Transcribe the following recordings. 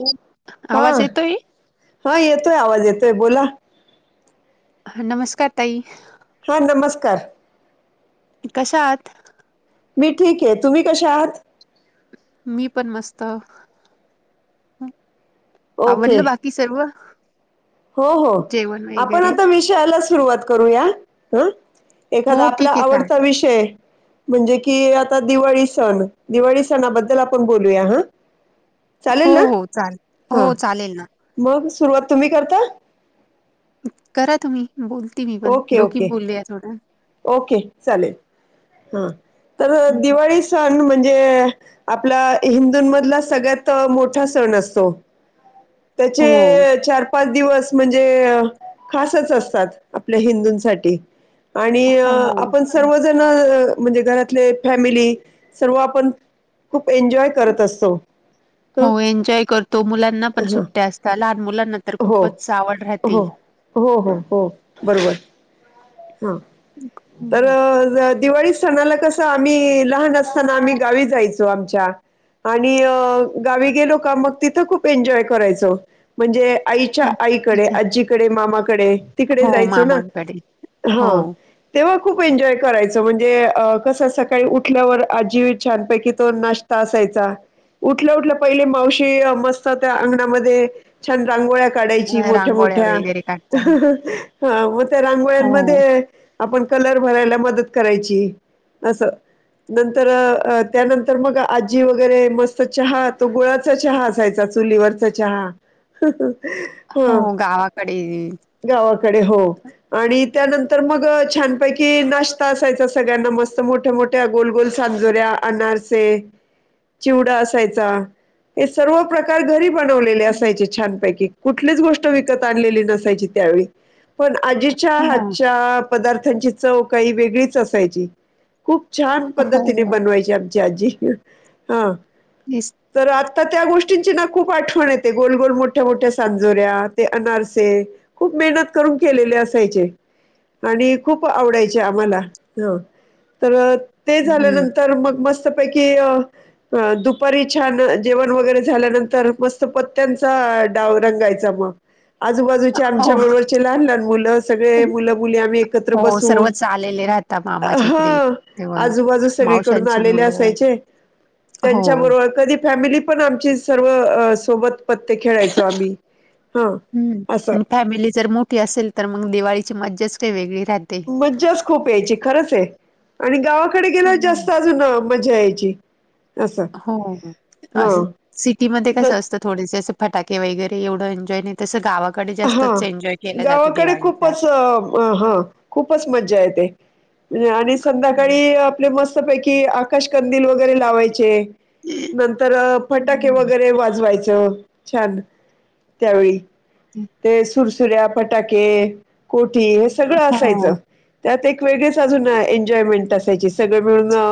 [unintelligible] आवाज येतोय? हां, येतोय आवाज, येतोय बोला. ह, नमस्कार ताई. हां, नमस्कार. कशा आहात? मी ठीक ये, तुम्ही कशा आहात? मी पण मस्त, ओके आवरलं बाकी, सर्व? हो हो, जेवण आपण वगैरे आता विषयाला, सुरुवात करूया, अं? एखादा हो आपला, ठीक आहे चाल आवडता विषय म्हणजे की आता, दिवाळी सण, दिवाळी सणाबद्दल आपण बोलूया, हं. हो चालेल ना?, हो चाल हं, हो चालेल ना मग सुरुवात, तुम्ही करता? करा तुम्ही, बोलती मी पण, दोघी बोललुया, थोडं. के, चालेल, तर हम्म. दिवाळी स सण म्हणजे, आपला हिंदूंमधला, सगळ्यात मोठा सण असतो. ह् [inaudible] त्याचे चार पाच दिवस, म्हणजे खासच असतात, आपल्या हिंदूंसाठी. आणि हो आपण, सर्व जण अं, म्हणजे घरातले, फॅमेली सर्व आपण, खूप एन्जॉय [inaudible] ह हो एन्जॉय करतो, मुलांना पण हां सुट्ट्या असतात, लहान मुलांना तर हो खूपच आवड हो राहते हो हो हो, बरोबर. हं, तर हम्म ज दिवाळी सनाला कसं, आम्ही लहान असताना, आम्ही गावी जायचो, आमच्या. आम्ही गावी गेलो का मग तिथं खूप एन्जॉय करायचो म्हणजे आईच्या आईकडे अच्छा आजीकडे मामाकडे हो मामांकडे हो तेव्हा खूप एन्जॉय करायचो म्हणजे कसं सकाळी उठल्यावर आजी छानपैकी तो ना - ष्टा असायचा उठल्या उठल्या पहिले मावशी मस्त त्या अंगणामध्ये छान रांगोळ्या काढायची अ, मोठ्या रांगोळ्या मोठ्या वगैरे काढता हं हं मग त्या रांगोळ्या हो म- - ध्ये आपण कलर भरायला मदत करायची असं नंतर त्यानंतर मग आजी वगैरे मस्त चहा तो गुळचा तो चहा असायचा चुलीवरचा चहा हां. हम गावाकडे गावाकडे हो आणि त्यानंतर मग छानपैकी नाश्ता असायचा सगळ्यांना मस्त मोठ्या मोठ्या त्या गोल गोल सांजोऱ्या अनारसे चिवडा असायचा हे सर्व प्रकार त्यावेळी घरी बनवलेले असायचे हो छानपैकी कुठलीच विकत आणलेली नसायची त्यावेळी पण आजीच्या हातच्या पदार्थांची चव काही वेगळीच असायची खूप छान हो, पद्धतीने हो. बनवायची आमची आजी हा निस तर आत्ता त्या गोष्टींची ना खूप आठवण येते गोलगोल मोठ्या मोठ्या सांजोऱ्या ते अनारसे खूप मेहनत करून केलेले असायचे आणि खूप आवडायचे आम्हाला ह तर ते हं. झाल्यानंतर मग मस्तपैकी अ अ दुपारी छान जेवण वगैरे झाल्यानंतर मस्त पत्त्यांचा डाव रंगायचा मग आजूबाजूचे आमच्या हो. बरोबरचे लहान लहान मुलं सगळे मुलं मुली आम्ही एकत्र हो, बसून सर्वच आलेले राहतात मामाच्या इकडे तेव्हा. आजूबाजू सगळीकडून मावशांची आलेले मुलं असायचे हो. त्यांच्या बरोबर कधी फॅमिली पण आमची सर्व सोबत पत्ते खेळायचो आम्ही हां. हम् असं आणि फॅमिली जर मोठी असेल तर मग दिवाळीची मज्जाच काही वेगळी राहते मज्जाच खूप यायची खरंच आहे आणि गावाकडे गेल्यावर हो. जास्त अजून मज्जा यायची असं हो आ हां. हेच सिटीमध्ये द कसं असतं थोडेसे असं फटाके वगैरे एवढं एन्जॉय नाही. तसं गावाकडे हा जास्तच एन्जॉय केला जातो गावाकडे दिवाळीचा. खूपच हा खूपच मज्जा येते. आणि हं. संध्याकाळी आपले मस्तपैकी आकाशकंदील वगैरे लावायचे. नंतर फटाके हं. वगैरे वाजवायचं छान त्यावेळी ह ते सुरसुर्या, पटाके, कोठी हे सगळं असायचं. हो. त्यात एक वेगळीच अजून एन्जॉयमेंट असायची सगळे मिळून अ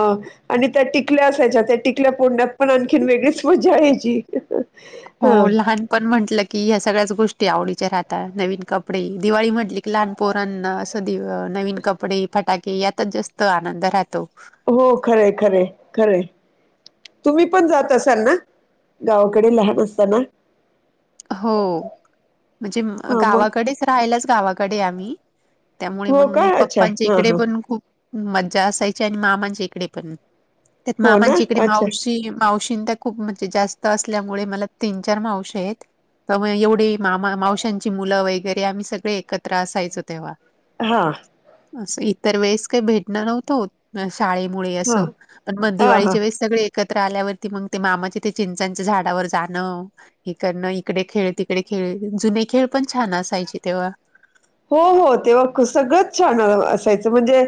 आणि त्या टिकल्या असायच्या त्या टिकल्या पोडण्यात पण आणखीन वेगळीच मज्जा यायची. हो हा लहान पण म्हटलं की या सगळ्याच गोष्टी आवडीच्या राहतात नवीन कपडे दिवाळी म्हटले की लहान पोरांना असं दिव नवीन कपडे फटाके यातच जास्त आनंद राहतो. हो खरं आहे खरं आहे खरं आहे. तुम्ही पण जात असाल ना गावाकडे लहान असताना हो म्हणजे म हा मग गावाकडेच राहालाच गावाकडे आम्ही त्यामुळे हो मग, का अच्छा पप्पांच्या हां इकडे हां पण खूप मज्जा असायची आणि मामांच्या इकडे पण त्यात हो ना मामांच्या इकडे अच्छा मावशी मावशी [unintelligible] खूप म्हणजे जास्त असल्यामुळे मला तीन चार मावश्यायत तर म एवढी मामा, मावशांची मुलं वगैरे आम्ही सगळे एकत्र असायचो तेव्हा हां असं इतर वेळेस कायी भेटणं नव्हतं होतं शाळेमुळे हां असं पण मग हां हां दिवाळीच्या वेळेस सगळे एकत्र आल्यावरती मग ते मामाचे ते चिंचांच्या झाडावर जाणं हे करणं यिकडे खेळ, तिकडे खेळ जुने खेळ पण छान असायचे तेव्हा हो हो, तेव्हा सगळंच छान असायचं म्हणजे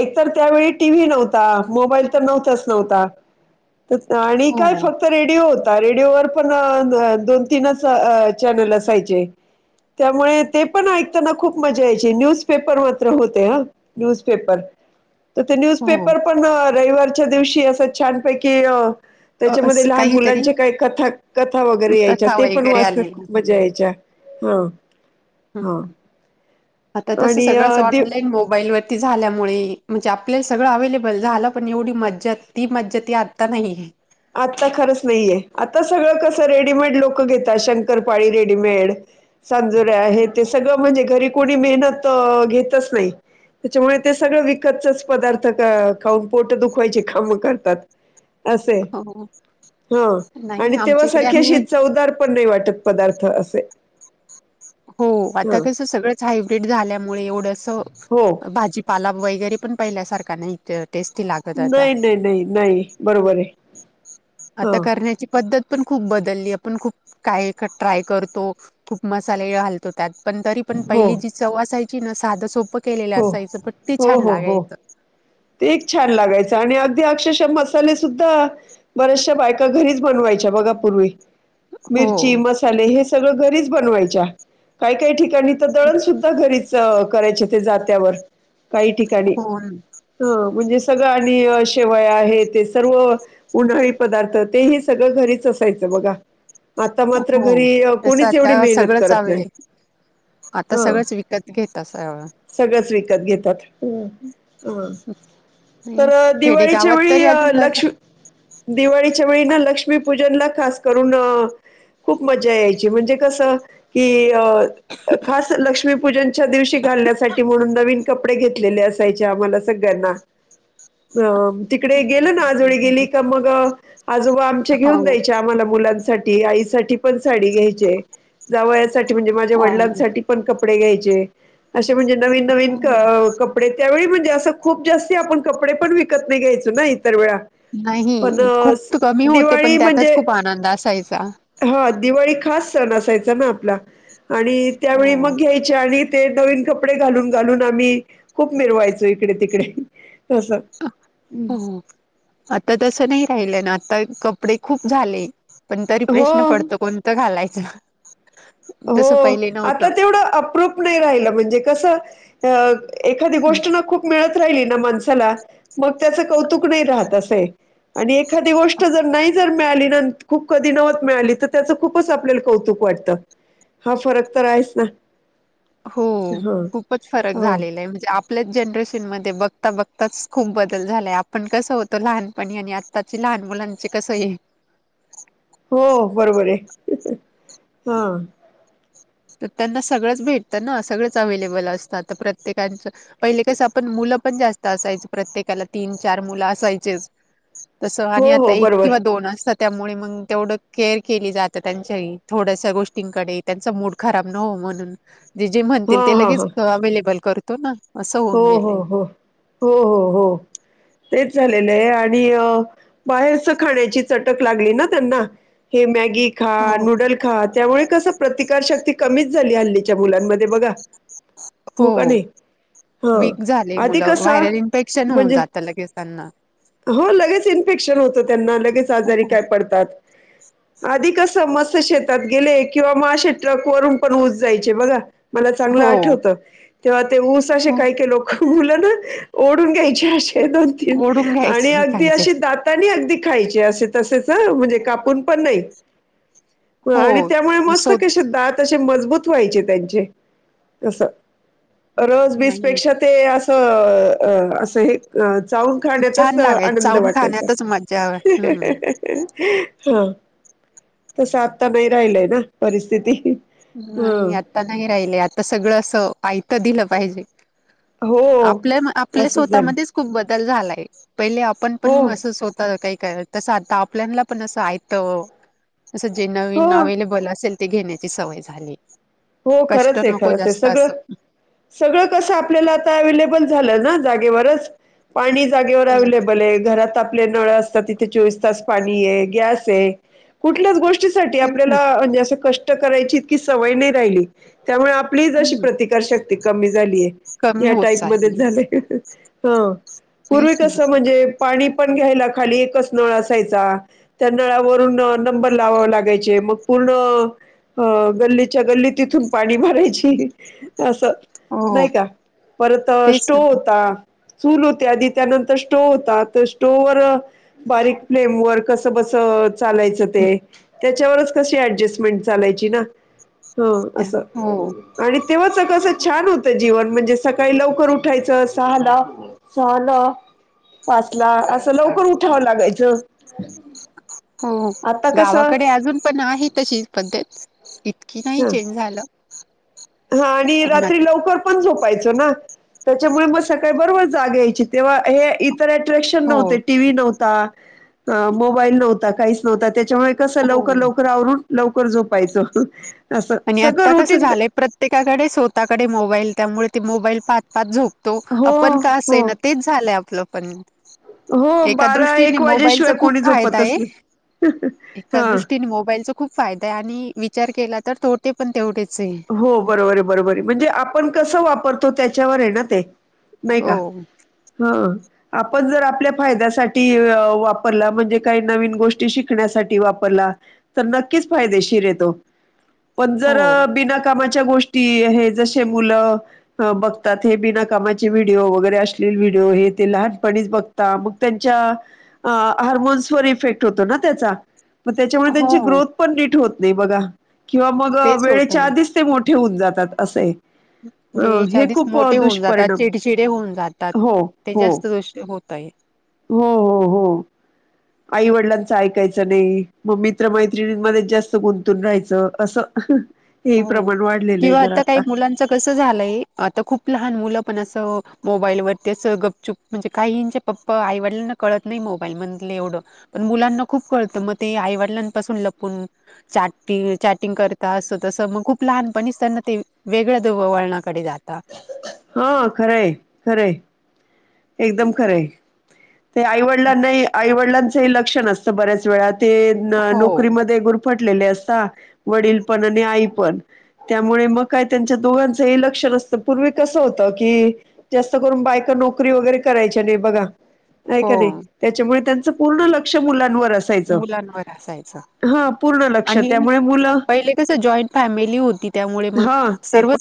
एक तर त्यावेळी टीव्ही नव्हता मोबाईल तर नव्हताच नव्हता आणि काय हो, फक् तर रेडिओ होता. रेडिओवर पण दोन तीनच चॅनल असायचे त्यामुळे ते पण ऐक ताना खूप मजा यायची न्यूजपेपर मात्र होते ह न्यूजपेपर तर ते हो. न्यूजपेपर पण रविवारच्या दिवशी असं छानपैकी अ अ, त्याच्यामध्ये असं लहान काहीतरी मुलांचे काय कथा कथा वगैरे यायच्या कथा ते पण वगैरे वाच आलेल्या. मजा यायच्या, हो आता तस आणि सगळंच दि ऑनलाईन मोबाईलवर ती झाल्यामुळे म्हणजे आपल्याला सगळं अवेलेबल झालं पण एवढी मज्जा, ती मज्जा ती आता नाहीय आता खरंच नाहीये आता सगळं कसं रेडीमेड लोकं घेतात शंकरपाळी रेडीमेड सांजुरया हे ते सगळं म्हणजे घरी कोणी मेहनत घेतच नायी त्याच्यामुळे ते सगळं विकतचच पदार्थ खाऊन पोट दुखवायची काम करतात असंय हो हा नाही आणि तेव्हा आमच्या इकडे सारखी आम्ही अशी चवदार पण नायी वाटत पदार्थ असे हो आता हा कस सगळंच हायब्रिड झाल्यामुळे एवढसं हो भाजी पाला वगैरे पण पहिल्यासारखा नायी टेस्टी लागत आता नायी नायी नायी नायी बरोबरय हा आता करण्याची पद्धत पण खूप बदललीय, आपण खूप काय ट्राय करतो. खूप मसाले घालतो त्यात पण तरी पण हो पहिली जी चव असायची ना साधं सोपं केलेलं हो असायचं पण ते हो छान हो हो लागायचं ते एक छान लागायचं आणि अगदी अक्षरशः मसाले सुद्धा बऱ्याचशा बायका, घरीच बनवायच्या बघा पूर्वी? हो मिरची, मसाले, हे सगळं घरीच बनवायच्या काय काय ठिकाणी तर दळण सुुद्धा घरीच करायचे ते जात्यावर कायी ठिकाणी हो हो, म्हणजे सगळं आणि शेवया हे ते सर्व उन्हाळी पदार्थ तेही सगळं घरीच असायचं बघा? आता मात्र हो घरी तसं कोणीच एवढी आता मेहनत सगळंच करत नाय हवे आता हं, सगळंच विकत घेत सगळं सगळंच विकत घेतात हं तर नाही खेडेगावात दिवाळीच्यावेळी तरी अ अजून करता लक्ष् दिवाळीच्या वेळी ना लक्ष्मीपूजनला खास करून, अ खूप मजा यायची म्हणजे कसं? कि अ खास लक्ष्मीपूजनच्या दिवशी घालण्यासाठी म्हणून नवीन कपडे घेतलेले असायचे आम्हाला सगळ्यांना हं म तिकडे गेली ना, आजोळी गेली का मग आजोबा आमचे घेऊन हो द्यायचे. ते आम्हांला मुलांसाठी, आईसाठी पण साडी घ्यायचे, जावयासाठी म्हणजे माझ्या हो, वडिलांसाठी पण कपडे घ्यायचे, अशे म्हणजे नवीन -नवीन क कपडे त्यावेळी म्हणजे असं खूप जास्ती आपण कपडे पण, विकत नाही घ्यायचो ना इतर वेळा. नाही पण अ, खूप स- त कमी होते, पण दिवाळी त्यातच म्हणजे खूप आनंद असायचा. हा दिवाळी खास सण असायचा ना आपला आणि त्यावेळी हो मग घ्याय चे आणि ते नवीन कपडे घालून -घालून आम्हीं खूप मिरवायचो इकडे-तिकडें. हं, हुं.. हुं.. आता तस नाही राहिलं ना, आता कपडे खूप झाले. पण तरी हो प्रश्न पडतो कोणतं घालायचं? हो तसं पहिले नव्हतं. आता तेवढं अप्रुप पण नाही राहिलं म्हणजे कसं अ एखादी हम्म. गोष्ट ना खूप मिळत राहिली ना माणसाला मग त्याच कौतुक नाही राहत असं आहेआणि एखादी गोष्ट जर नाही जर मिळाली ना खूप कधी नवत मिळाली तर त्याचं खूपच आपल्याला कौतुक वाटतं. हा फरक तर आहेच ना. हो हा खूपच फरक हो झालेला आहे म्हणजे आप आपल्याच जनरेशनमध्ये बघता- बघताच खूप बदल झाला आहे, आपण कसं होतो लहानपणी आणि आत ताची लहान मुलांची कसं हे हो बरोबर आहे, हा. तर त्यांना सगळंच भेटतं ना, सगळंच अवेलेबल असतं आता प्रत्येकाचं पहिले कसं आपण मुलं पण जास्त असायची, प्रत्येकाला तीन -चार मुलं असायचेच तसं हो, आणि आता हो. एक बरोबर. किंवा दोन असतात. त्यामुळे मग तेवढं केअर केली जाते त्यांच्याही थोड्याशा गोष्टींकडे त्यांचा मूड खराब न होऊ म्हणून जे- जे म्हणतील हां, ते हां, लगेच हां. अवेलेबल करतो ना, असं हो, होऊन हो, गेलंय हो.... हो, हो, हो.. तेच झालेलं आहे आणि बाहेरच खाण्याची चटक लागली ना त्यांना. हे मॅगी खा, हो नूडल खा, त्यामुळे कस प्रतिकारशक्ती कमीच झाली हल्लीच्या मुलांमध्ये बघा. हो हो‌ का नाही? हां. वीक झाले आधी मुलं कसं व्हायरल इन्फेक्शन होऊन म्हणजे जात लगेच त्यांना. हो लगेच इन्फेक्शन होतं. त्यांना लगेच आजारी काय पडतात, आधी कसं मस्त शेत तात गेले किंवा मग असे ट्रक वरून पण ऊस जायचे बघा. मला चांगलं हो आठवतं तेव्हा ते ऊस अशे हो लोकं, मुलं ना ओढून घ्यायचे अशे दोन-तीन ओढून आणि घ्यायचे अगदी खायचे अशे दात तानी अगदी खायचे असे तसेच हं म्हणजे कापून पण नाही. हो आणि त्यामुळे मस्त शोध कशे दात- तशे मजबूत व्हायचे त्यांचे तसं, रस-बिस नाही ते असं असं हे चावून खाण्यातच छान लागाय आनंद चावून वाटायचा. खाण्यातच मज्जा हम्म हा तसं आत्ता नाही राहिलयं ना, परिस्थिती. ह नाही, आता नाही राहिलयं, आता सगळं असं आयतं दिलं पाहिजे. हो आपल्या आपल्या असंच झालं स्वतःमध्येच खूप बदल झालायं, पहिले आपण हो पण असंच होतं काही करत तसं आता आपल्याला पण असं आयतं, असं जे हो नवीन अवेलेबल असेल ते घेणे. सवय झाली. हो खरंच आहे नको खरंच आहे, जास्त असं सगळं- सगळं कसं, आपल्याला आता अवेलेबल झालं ना जागेवरच. पाणी जागेवर हो अव्लेबल आहे, घरात- आपले नळ असतात, तथे चोवीस तास आहे, गॅस आहे कुठल्याच गो- ष्टीसाठी तेच ना आपल्याला म्हणजे, कष्ट करायची इतकी सवय नाही राहिली, त्यामुळे- आपलीच अशी हम्म प्रतिकारशक्ती कमी झालीये, कमी या होत टाईप मध्ये चालली झालेय. हं, पूर्वी तेच ना कसं म्हणजे, पाणी पण घ्यायला खाली एकच नळ असायचा. त्या नळावरून नंबर लावावे लागायचे, मग पूर्ण गल्लीत- च्या गल्ली तिथून पाणी भारायची. असं हो नाही का, परत तेच ना स्टोव्ह होता. चूल होते आधी, त्यानंतर स्टोव्ह होता, आता स्टोव्ह वर- बारीक फ्लेम वर कसं बस- चालायचं ते, त्याच्यावरच कशी ऍडजेस्टमेंट चालायची ना. हं असं. हो आणि तेव्हाच कसं छान होतं जीवन, म्हणजे सकाळी लवकर उठायचं सहाला- सहाला, पाचला असं लवकर उठावं लागायचं. हो हो, आता कसं गावाकडे अजून पण आहे तशीच पद्धत इ- की नाही ह चेंज झालं. हा, आणि पण रात्री लवकर पण झोपायचो ना, त्याच्यामुळे मग सकाळी बरोबर जाग यायची. तेव्हा हे इतर अट्रॅक्शन नव्हते, हो, टीव्ही नव्हता. मोबाईल नव्हता, काहीच नव्हता त्याच्यामुळे कसं लवकर हो. लवकर आवरून- लवकर झोपायचं, असं आणि सगळं आता कसं रुटीगं- झालंय प्रत्येकाकडे स्वतःकडे मोबाईल, त्यामुळे ते मोबाईल पाह- पाहत झोपतो, हो आपण का असे हो ना तेच झालंय आपलं पण, हो एका बारा दृष्टीने एक मोबाईलचा वाजेशिवाय खूप कोणी फायदा झोपतच आहे. नाही. एका हा दृष्टीने मोबाईल खु- खूप फायदा आहे, आणि विचार केला तर तोटे पण तेवढेच आहे. हो बरोबर बरोबर आहे, म्हणजे आपण कसं वापरतो त्याच्यावर आहे ना ते, नाही का हो, हं, आपण जर आपल्या फायद्यासाठी वापरला, म्हणजे काही नवीन गोष्टी शिकण्यासाठी वापरला. तर नक्कीच फायदेशीर येतो, पण जर- हो, बिना कामाच्या गोष्टी आहे, जसे मुलं- बघतात, हे बिनाकामाचे व्हिडिओ वगैरे अशल्लिल व्हिडिओ हे ते लहानपणीच बघ- ता मग त्यांच्या, हार्मोन्सवर इफेक्ट होतो ना त्याचा. मग त्याच्यामुळे त्यांची हो. ग्रोथ पण नीट होत नाही बघा, किंवा मग तेच वेत- होतंय. नुसते मोठे होऊ जातात. असे हे, वेळेच्या आधी खूप अ, मोठे होऊन जातात, दुष्परिणाम चिडचिडे होऊन जातात, हो, ते हो. जास्त दोष होत. ताई हो हो हो. आई वडिलांचं ऐकायचं नाही, मग मित्र मैत्रिणींमध्ये जास्त गुंतून राहायचं असं, अं हं, हो, किंवा आता काही मुलांन आता कसं झालये, आता खुप लहान मुलं पण अस मोबाईल वरती गपचुप म्हणजे काहींचे पप्पा आईवडिलांना कळत नाही मोबाईल मधल एवढ. पण मुलांना खूप कळत मग ते आईवडिलांपासून लपून. चॅटिंग चॅटिंग करतात. तस मग खूप लहानपणीच त्यांना ते वेगळ्या वळणाकडे जाता. हा खरय खरय. एकदम खरय ते आईवडिलांनाही आईवडिलां ते लक्ष नसत बऱ्याच वेळा ते हो नोकरी मध्ये गुर फटलेले असतात वडील पण आणि आई पण. त्यामुळे मग काय त्यांच्या दोघांच ही लक्ष नसत पूर्वी कस होत की जास्त करून बायका नोक नोकरी वगैरे करायच्या नाही बघा हाय हो की नाही त्याच्यामुळ त्यांच पूर्ण लक्ष मुलांवर अस मुलांवर असायच. पूर्ण लक्ष आणि त्यामुळे मुलं पहिल कस जॉईंट फॅमिली होती त्यामुळ मग हां ते सर्वच